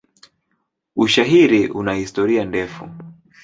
Ushairi una historia ndefu.